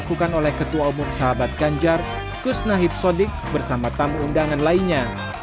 kusnahip sodik bersama tamu undangan lainnya